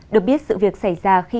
được biết sự việc xảy ra khi